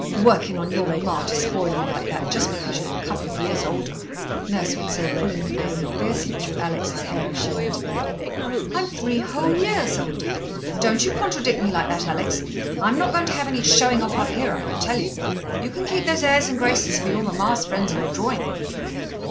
"Working on your mamma to spoil you like that, just because you're a couple of years older!" Nurse would say, pulling the comb fiercely through Alex' hair as she went to bed. "I'm three whole years older." "Don't you contradict me like that, Alex. I'm not going to have any showing off up here, I can tell you. You can keep those airs and graces for your mamma's friends in the drawing room."